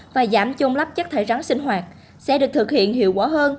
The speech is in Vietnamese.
và giảm chôn lấp chất thải rắn sinh hoạt sẽ được thực hiện hiệu quả hơn